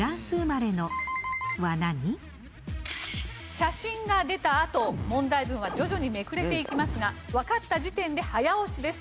写真が出たあと問題文は徐々にめくれていきますがわかった時点で早押しです。